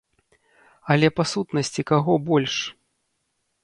Але па сутнасці каго больш?